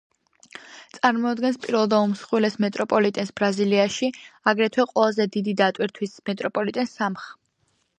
წარმოადგენს პირველ და უმსხვილეს მეტროპოლიტენს ბრაზილიაში, აგრეთვე ყველაზე დიდი დატვირთვის მეტროპოლიტენს სამხ.